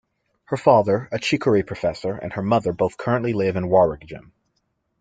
Her father, a chicory professor, and her mother both currently live in Waregem.